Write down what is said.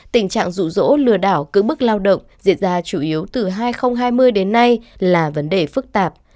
tình trạng rụ rỗ lừa đảo cững bức lao động diễn ra chủ yếu từ hai nghìn hai mươi đến nay là vấn đề phức tạp